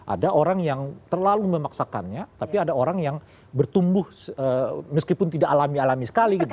ada orang yang terlalu memaksakannya tapi ada orang yang bertumbuh meskipun tidak alami alami sekali gitu